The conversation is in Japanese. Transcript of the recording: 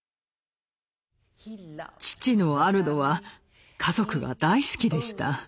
父のアルドは家族が大好きでした。